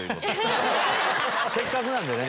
せっかくなんでね。